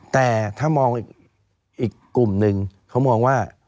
แต่ถ้ามองอีกกลุ่มหนึ่งเขามองว่า